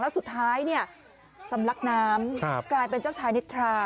แล้วสุดท้ายสำลักน้ำกลายเป็นเจ้าชายนิทรา